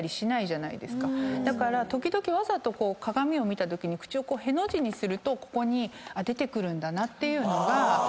だから時々鏡を見たときに口をへの字にするとここに出てくるんだなっていうのが。